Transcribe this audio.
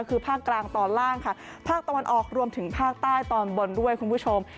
คือภาคกลางตอนล่างค่ะภาคตะวันออกรวมถึงภาคใต้ตอนบนด้วยคุณผู้ชม